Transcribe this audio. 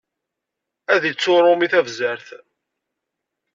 Ad ittu uṛumi tabzert.